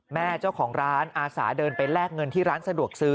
แม่เจ้าของร้านอาสาเดินไปแลกเงินที่ร้านสะดวกซื้อ